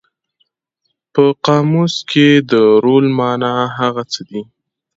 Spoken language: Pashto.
په قاموس کې د رول مانا هغه څه دي.